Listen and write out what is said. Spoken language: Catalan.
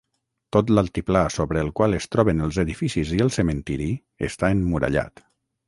Tot l'altiplà sobre el qual es troben els edificis i el cementiri està emmurallat.